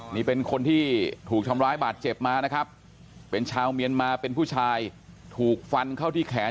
นี่เป็นคนที่ถูกทำร้ายบาดเจ็บมานะครับเป็นชาวเมียนมาเป็นผู้ชายถูกฟันเข้าที่แขน